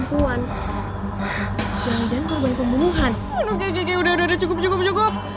bajunya sih itu